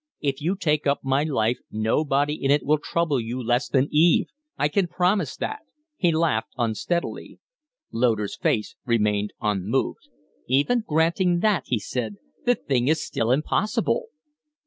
If you take up my life, nobody in it will trouble you less than Eve I can promise that." He laughed unsteadily. Loder's face remained unmoved. "Even granting that," he said, "the thing is still impossible."